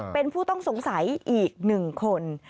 เป็นผู้ต้องสงสัยอีก๑คน